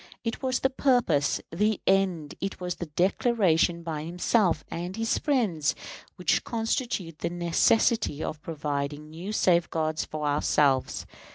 It was the purpose, the end, it was the declaration by himself and his friends, which constitute the necessity of providing new safeguards for ourselves.